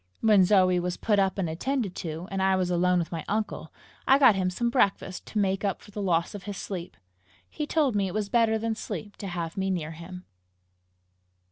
When Zoe was put up and attended to, and I was alone with my uncle, I got him some breakfast to make up for the loss of his sleep. He told me it was better than sleep to have me near him.